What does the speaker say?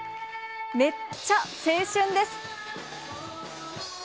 めっちゃ青春です。